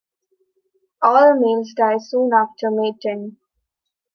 All males die soon after mating.